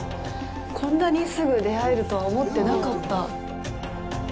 こんなにすぐ出会えるとは思ってなかった。